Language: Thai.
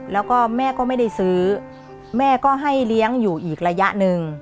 แล้วก็แม่ก็ไม่ได้ซื้อแม่ก็ให้เลี้ยงอยู่อีกระยะหนึ่ง